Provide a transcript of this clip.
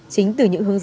chính từ những hướng dẫn